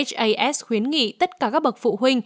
h a s khuyến nghị tất cả các bậc phụ